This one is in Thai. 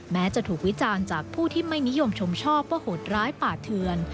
แม้จะถูกวิจารณ์จากผู้ที่ไม่นิยมชมชอบว่าโหดร้ายป่าเทือน